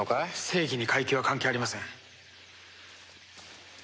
正義に階級は関係ありません。